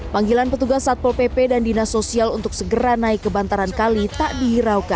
panggilan petugas satpol pp dan dinas sosial untuk segera naik ke bantaran kali tak dihiraukan